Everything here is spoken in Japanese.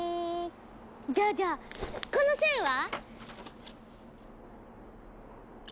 じゃあじゃあこの線は？